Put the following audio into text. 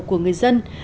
của người dân